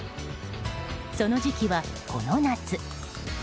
その時期は、この夏。